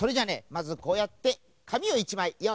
まずこうやってかみを１まいよういします。